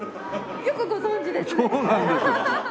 よくご存じですね。